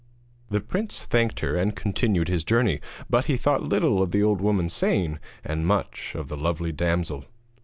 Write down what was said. The prince thanked her and continued his journey, but he thought little of the old woman's saying, and much of the lovely damsel.